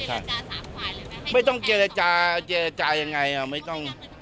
เช่นไม่ต้องเชียรจาเชียรจายังไงเอาไม่ต้อง